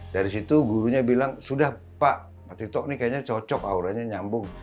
dari situ gurunya bilang sudah pak tito ini kayaknya cocok auranya nyambung